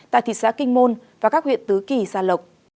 tại thị xã kinh môn và các huyện tứ kỳ xa lộc